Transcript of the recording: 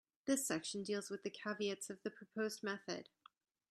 This section deals with the caveats of the proposed method.